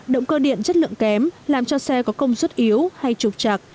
động cơ điện chất lượng kém làm cho xe có công suất yếu hay trục trạc